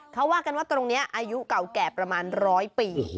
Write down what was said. เขาว่ากันว่าตรงนี้อายุเก่าแก่ประมาณร้อยปี